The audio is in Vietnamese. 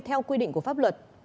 theo quy định của pháp luật